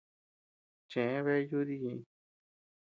Cheʼe bea yudii ñëʼeñ.